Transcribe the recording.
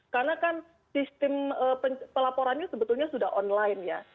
karena kan sistem pelaporannya sebetulnya sudah online ya